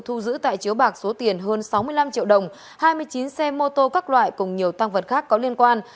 thu giữ tại chiếu bạc số tiền hơn sáu mươi năm triệu đồng hai mươi chín xe mô tô các loại cùng nhiều tăng vật khác có liên quan